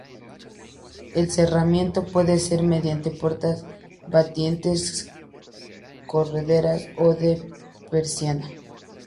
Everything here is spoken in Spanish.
El cerramiento puede ser mediante puertas batientes, correderas o de persiana.